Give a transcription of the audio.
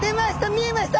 見えました！